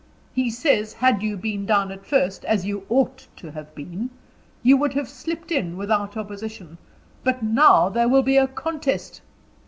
He says, had you been down at first, as you ought to have been, you would have slipped in without opposition, but now there will be a contest."